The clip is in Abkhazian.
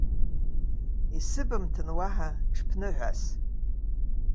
Исыбымҭан уаҳа ҽыԥныҳәас.